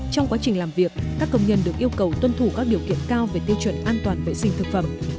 trong quá trình làm việc các công nhân được yêu cầu tuân thủ các điều kiện cao về tiêu chuẩn an toàn vệ sinh thực phẩm